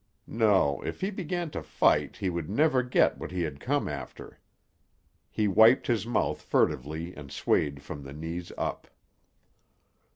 No, if he began to fight he would never get what he had come after. He wiped his mouth furtively and swayed from the knees up.